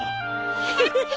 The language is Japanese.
フフフフ。